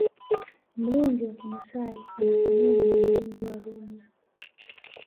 Mlinzi wa kimasai anafanana na mlinzi wa Rumi